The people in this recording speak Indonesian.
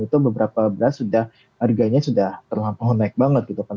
itu beberapa beras harganya sudah terlampau naik banget gitu kan